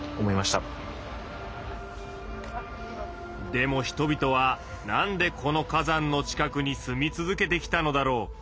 でも人々は何でこの火山の近くに住み続けてきたのだろう。